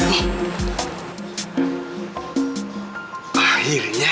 gue mau pergi ke rumah